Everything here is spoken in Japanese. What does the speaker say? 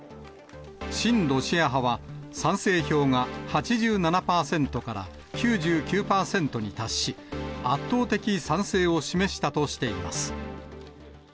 親ロシア派は、賛成票が８７％から９９％に達し、圧倒的賛成を示したとしています。